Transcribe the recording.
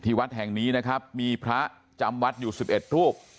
ที่วัดแห่งนี้นะครับมีพระจำวัดอยู่สิบเอ็ดรูป